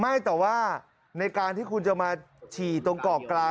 ไม่แต่ว่าในการที่คุณจะมาฉี่ตรงเกาะกลาง